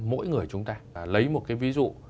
mỗi người chúng ta lấy một cái ví dụ